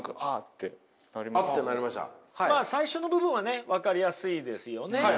最初の部分はね分かりやすいですよね。